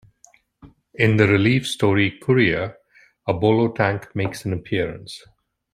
In the Retief story "Courier", a Bolo tank makes an appearance.